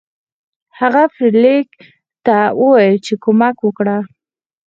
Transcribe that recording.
هغه فلیریک ته وویل چې کومک وکړه.